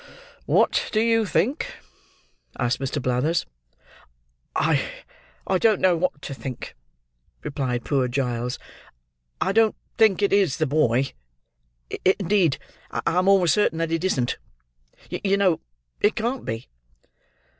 "What do you think?" asked Mr. Blathers. "I don't know what to think," replied poor Giles. "I don't think it is the boy; indeed, I'm almost certain that it isn't. You know it can't be."